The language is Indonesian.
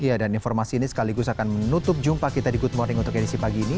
iya dan informasi ini sekaligus akan menutup jumpa kita di good morning untuk edisi pagi ini